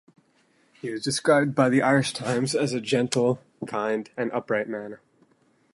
He was described by the "Irish Times" as 'a gentle, kind and upright man'.